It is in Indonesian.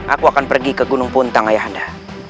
aku akan pergi ke gunung puntang ayahanda